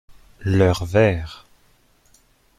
Leur verre.